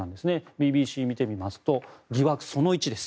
ＢＢＣを見てみますと疑惑その１です。